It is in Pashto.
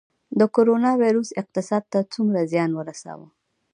د کرونا ویروس اقتصاد ته څومره زیان ورساوه؟